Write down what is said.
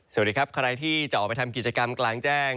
สวัสดีครับใครที่จะออกไปทำกิจกรรมกลางแจ้ง